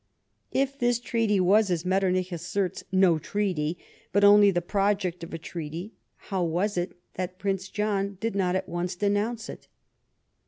If this treaty was, as Metternich asserts, no treaty, but only the project of a treaty, how was it that Prince John did not at once denounce it